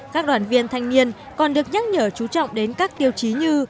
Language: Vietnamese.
các đoàn viên thanh niên còn được nhắc nhở chú trọng đến các tiêu chí như